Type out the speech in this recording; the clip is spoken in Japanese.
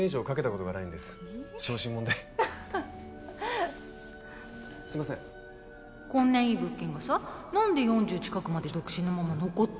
こんないい物件がさ何で４０近くまで独身のまんま残ってんの？